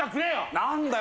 何だよ？